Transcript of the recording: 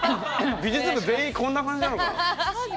美術部全員こんな感じなのかな。